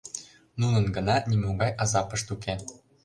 Нунын гына нимогай азапышт уке.